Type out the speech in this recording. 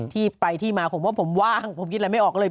ที่ไปที่มาผมว่าผมว่างผมคิดอะไรไม่ออกเลย